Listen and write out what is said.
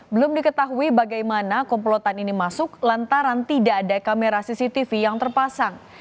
belum diketahui bagaimana komplotan ini masuk lantaran tidak ada kamera cctv yang terpasang